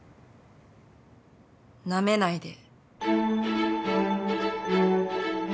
なめないで。